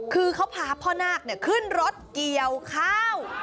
คือเขาพาพ่อนาคขึ้นรถเกี่ยวข้าว